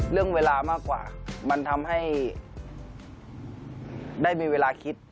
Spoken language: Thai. เรื่องเวลามากกว่ามันทำให้ได้มีเวลาคิด